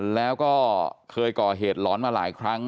แล้วก็เคยก่อเหตุหลอนมาหลายครั้ง